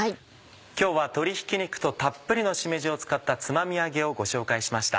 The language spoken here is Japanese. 今日は鶏ひき肉とたっぷりのしめじを使ったつまみ揚げをご紹介しました。